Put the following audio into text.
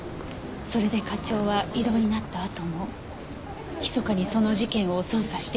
それで課長は異動になったあともひそかにその事件を捜査していたんですね。